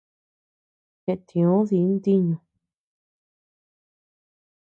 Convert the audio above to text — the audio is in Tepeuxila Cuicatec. Cheʼtiö di ntiñu.